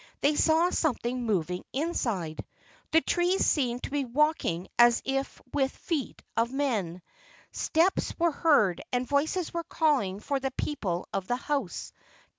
They saw something moving inside. The trees seemed to be walking as if with the feet of men. Steps LA U KA IEIE 39 were heard, and voices were calling for the people of the house.